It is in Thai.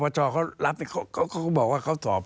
โปรประชาเขารับ